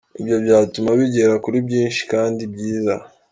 Ibyo byatuma bigera kuri byinshi kandi byiza.